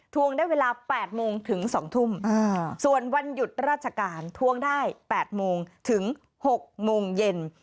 ทวงได้เวลาแปดโมงถึงสองทุ่มส่วนวันหยุดราชการทวงได้แปดโมงถึงหกโมงเย็น